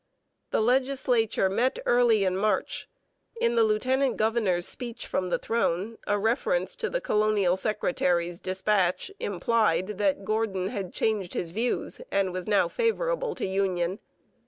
The legislature met early in March. In the lieutenant governor's speech from the throne, a reference to the colonial secretary's dispatch implied that Gordon had changed his views and was now favourable to union.